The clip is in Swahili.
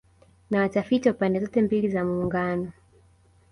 na watafiti wa pande zote mbili za Muungano